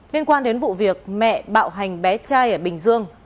liên quan đến vụ việc mẹ bạo hành bé trai ở bình dương